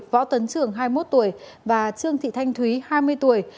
võ tấn trường hai mươi một tuổi và trương thị thanh thúy hai mươi tuổi